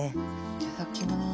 いただきます。